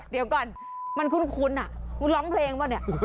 เดี๋ยวก่อนมันคุ้นอ่ะคุณร้องเพลงป่ะเนี่ย